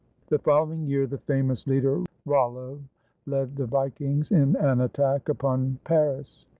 The following year the famous leader Rollo led the Vikings in an attack upon Paris.